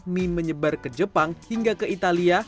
mie menyebar ke jepang hingga ke italia